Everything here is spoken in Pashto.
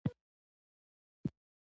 بېگاه مې ټوله شپه نوکان خوړلې دينه